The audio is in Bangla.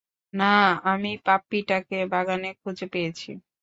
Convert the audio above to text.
না, আমি পাপ্পিটাকে বাগানে খুঁজে পেয়েছি।